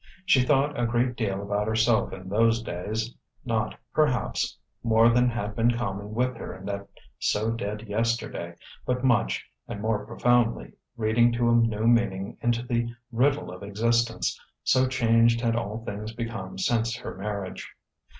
She thought a great deal about herself in those days: not, perhaps, more than had been common with her in that so dead yesterday, but much, and more profoundly; reading a new meaning into the riddle of existence, so changed had all things become since her marriage.